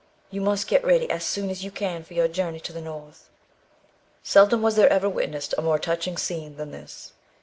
You must get ready as soon as you can for your journey to the North." Seldom was there ever witnessed a more touching scene than this.